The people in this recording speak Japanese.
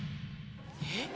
えっ？